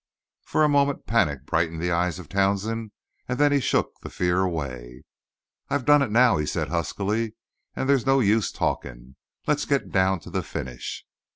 For a moment panic brightened the eyes of Townsend, and then he shook the fear away. "I've done it now," he said huskily, "and they's no use talking. Let's get down to the finish."